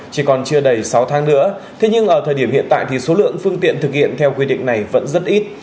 chỉ còn chưa đầy sáu tháng nữa thế nhưng ở thời điểm hiện tại thì số lượng phương tiện thực hiện theo quy định này vẫn rất ít